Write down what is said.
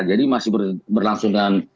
jadi masih berlangsungan